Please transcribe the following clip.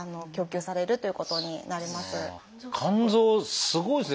肝臓すごいですね。